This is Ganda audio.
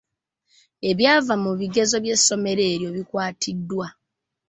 Ebyava mu bigezo by'essomero eryo bikwatiddwa.